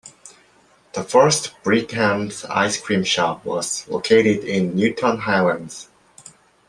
The first Brigham's Ice Cream shop was located in Newton Highlands.